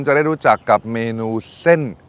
จะได้รู้จักกับเมนูเส้น